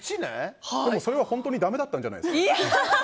それは本当にだめだったんじゃないですか？